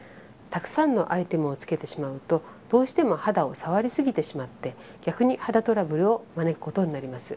たくさんのアイテムをつけてしまうとどうしても肌を触りすぎてしまって逆に肌トラブルを招くことになります。